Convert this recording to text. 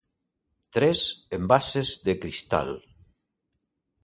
Tres envases de cristal